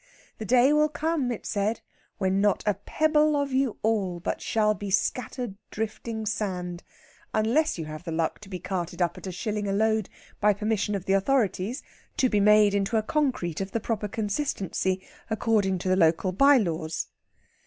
The day will come, it said, when not a pebble of you all but shall be scattered drifting sand, unless you have the luck to be carted up at a shilling a load by permission of the authorities, to be made into a concrete of a proper consistency according to the local by laws.